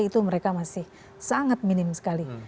itu mereka masih sangat minim sekali